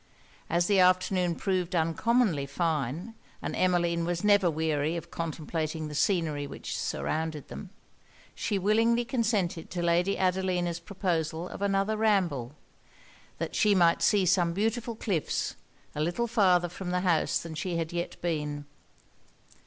As the afternoon proved uncommonly fine, and Emmeline was never weary of contemplating the scenery which surrounded them, she willingly consented to Lady Adelina's proposal of another ramble; that she might see some beautiful cliffs, a little farther from the house than she had yet been.